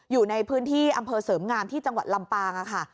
อยู่ในพื้นที่อำเภอเสริมงามที่จังหวัดลำปางค่ะ